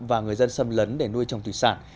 và người dân xâm lấn để nuôi trồng thủy sản